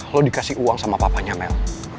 lo dikasih uang sama papanya mel